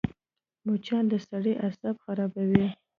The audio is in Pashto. مچان د سړي اعصاب خرابوي